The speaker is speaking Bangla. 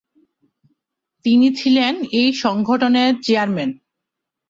তিনি ছিলেন এই সংগঠনের চেয়ারম্যান।